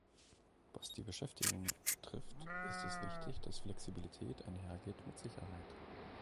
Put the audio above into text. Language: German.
Was die Beschäftigung betrifft, ist es wichtig, dass Flexibilität einhergeht mit Sicherheit.